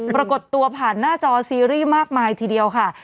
ปรากฏตัวผ่านหน้าจอซีรีส์มากมายทีเดียวค่ะ